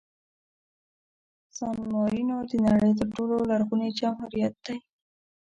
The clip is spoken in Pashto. سان مارینو د نړۍ تر ټولو لرغوني جمهوریت دی.